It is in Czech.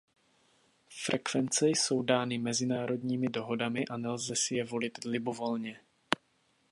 Frekvence jsou dány mezinárodními dohodami a nelze si je volit libovolně.